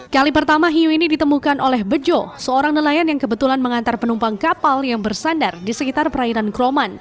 kali pertama hiu ini ditemukan oleh bejo seorang nelayan yang kebetulan mengantar penumpang kapal yang bersandar di sekitar perairan kroman